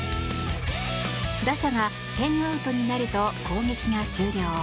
打者が１０アウトになると攻撃が終了。